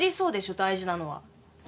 大事なのは。